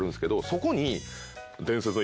そこに。